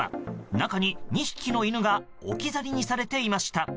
中に、２匹の犬が置き去りにされていました。